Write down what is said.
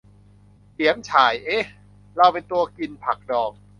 เกี๋ยมฉ่าย เอ๊ะ เราเป็นตัวกินผักดอง !